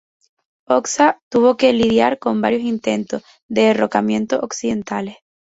Hoxha tuvo que lidiar con varios intentos de derrocamiento occidentales.